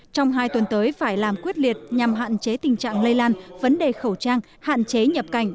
trong hai tuần tới phải làm quyết liệt nhằm hạn chế tình trạng lây lan vấn đề khẩu trang hạn chế nhập cảnh